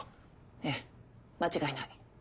ええ間違いない。